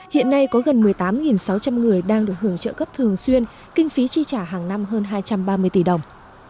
hiện nay có gần một mươi tám sáu trăm linh người đang được hưởng trợ cấp thường xuyên kinh phí chi trả hàng năm hơn hai trăm ba mươi tỷ đồng